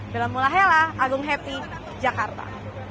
dalam mula helah agung happy jakarta